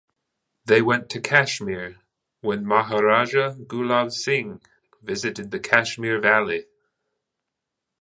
They went to Kashmir when Maharaja Gulab Singh visited the Kashmir Valley.